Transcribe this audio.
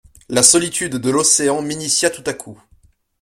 La solitude de l'Océan m'initia tout à coup.